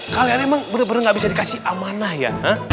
kalian emang bener bener gak bisa dikasih amanah ya